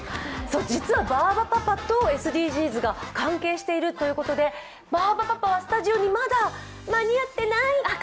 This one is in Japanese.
実はバーバパパとＳＤＧｓが関係しているということでバーバパパはスタジオに間に合ってない！！